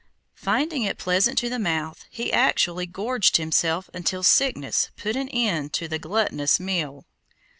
Finding it pleasant to the mouth, he actually gorged himself until sickness put an end to the gluttonous meal.